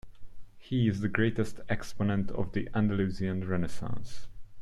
He is the greatest exponent of the Andalusian Renaissance.